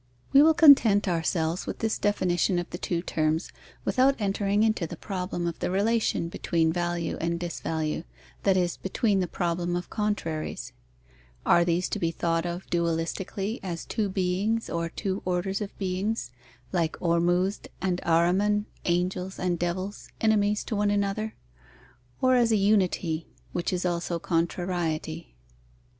We will content ourselves with this definition of the two terms, without entering into the problem of the relation between value and disvalue, that is, between the problem of contraries. (Are these to be thought of dualistically, as two beings or two orders of beings, like Ormuzd and Ahriman, angels and devils, enemies to one another; or as a unity, which is also contrariety?)